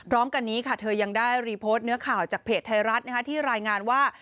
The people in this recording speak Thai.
พร้อมกันนี้ค่ะเธอยังได้รีโพสต์เนื้อข่าวจากเพจไทยรัฐที่รายงานว่า